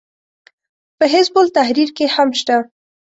په حزب التحریر کې هم شته.